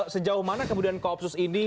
sejauh mana kemudian kop sus ini